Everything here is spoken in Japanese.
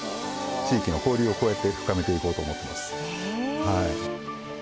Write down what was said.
地域の交流を深めていこうと思っています。